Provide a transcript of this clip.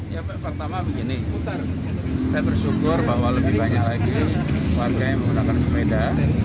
ya pertama begini putar saya bersyukur bahwa lebih banyak lagi warga yang menggunakan sepeda